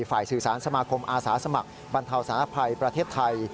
ฝ่ายสื่อสารสมาคมอาสาสมัครบรรเทาสารภัยประเทศไทย